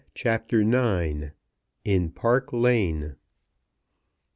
CHAPTER IX. IN PARK LANE.